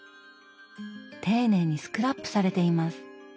丁寧にスクラップされています。